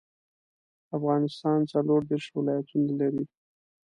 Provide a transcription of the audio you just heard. افغانستان څلوردیرش ولايتونه لري.